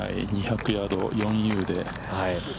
２００ヤードを余裕で。